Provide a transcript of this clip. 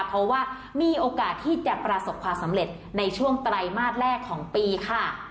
เพราะว่ามีโอกาสที่จะประสบความสำเร็จในช่วงไตรมาสแรกของปีค่ะ